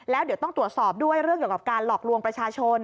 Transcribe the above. แล้วเดี๋ยวต้องตรวจสอบด้วยเรื่องเกี่ยวกับการหลอกลวงประชาชน